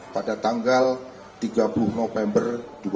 pada tanggal tiga puluh november dua ribu dua puluh